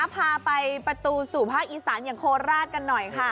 พาไปประตูสู่ภาคอีสานอย่างโคราชกันหน่อยค่ะ